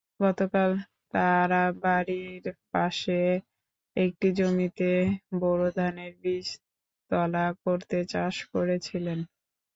গতকাল তাঁরা বাড়ির পাশের একটি জমিতে বোরো ধানের বীজতলা করতে চাষ করছিলেন।